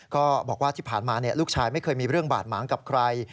ก็บอกว่าที่ผ่านมาลูกชายไม่เคยมีเรื่องบาดหมางกับใคร